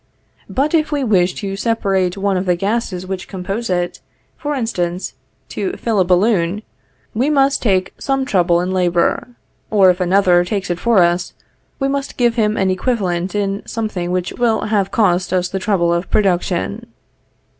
But if we wish to separate one of the gases which compose it, for instance, to fill a balloon, we must take some trouble and labor; or if another takes it for us, we must give him an equivalent in something which will have cost us the trouble of production.